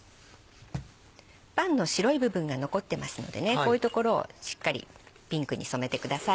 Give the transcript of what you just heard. パンの白い部分が残ってますのでこういう所をしっかりピンクに染めてください。